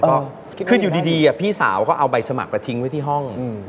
ก็คืออยู่ดีพี่สาวก็เอาใบสมัครไปทิ้งไว้ที่ห้อง